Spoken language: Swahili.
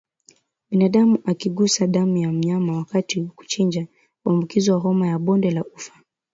Binadamu akigusa damu ya mnyama wakati wa kuchinja huambukizwa homa ya bonde la ufa